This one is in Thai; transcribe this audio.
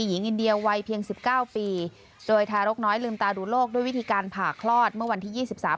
หญิงอินเดียวัยเพียงสิบเก้าปีโดยทารกน้อยลืมตาดูโลกด้วยวิธีการผ่าคลอดเมื่อวันที่ยี่สิบสาม